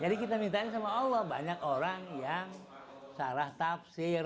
jadi kita minta ini sama allah banyak orang yang salah tafsir